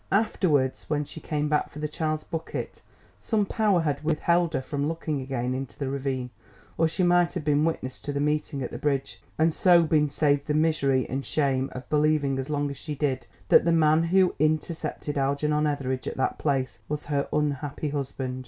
Afterwards when she came back for the child's bucket, some power had withheld her from looking again into the ravine or she might have been witness to the meeting at the bridge, and so been saved the misery and shame of believing as long as she did that the man who intercepted Algernon Etheridge at that place was her unhappy husband.